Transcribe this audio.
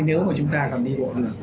nếu mà chúng ta còn đi bộ được